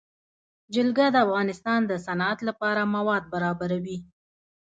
جلګه د افغانستان د صنعت لپاره مواد برابروي.